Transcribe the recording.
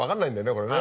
これね。